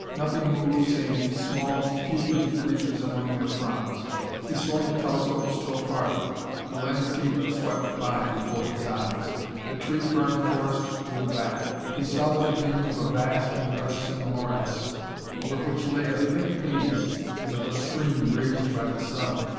Nothing moved save small, fugitive creatures among their fronds. He swung the telescope still farther. The landscape swept by before his eyes. The tree fern forest drew back. He saw the beginning of a vast and noisome morass, over which lay a thick haze as of a stream raised by the sun.